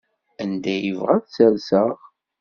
Anda i yebɣa ad t-sserseɣ?